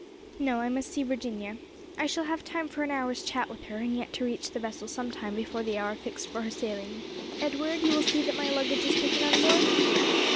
"No, I must see Virginia. I shall have time for an hour's chat with her and yet to reach the vessel some time before the hour fixed for her sailing. Edward, you will see that my luggage is taken on board?"